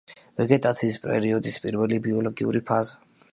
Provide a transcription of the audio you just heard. ვეგეტაციის პერიოდის პირველი ბიოლოგიური ფაზა.